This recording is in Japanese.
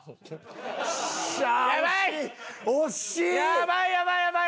やばいやばいやばい！